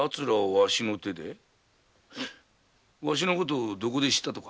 わしの事をどこで知った？